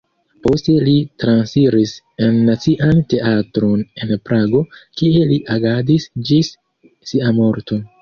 Poste li transiris en Nacian Teatron en Prago, kie li agadis ĝis sia morto.